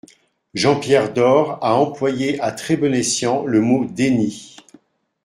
Jean-Pierre Door a employé à très bon escient le mot « déni ».